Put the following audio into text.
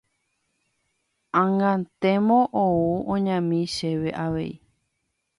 ag̃antemo ou oñami chéve avei.